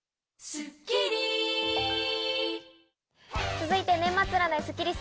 続いて年末占いスッキりす。